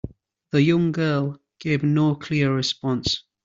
The young girl gave no clear response.